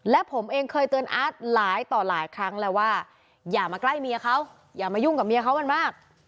และผมเองเคยเตือนอาร์ตหลายต่อหลายครั้งแล้วว่าอย่ามาใกล้เมียเขาอย่ามายุ่งกับเมียเขามันมาก